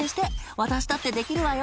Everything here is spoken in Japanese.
「私だってできるわよ」